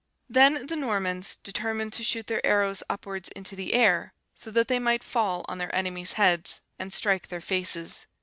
Then the Normans determined to shoot their arrows upwards into the air, so that they might fall on their enemies' heads, and strike their faces.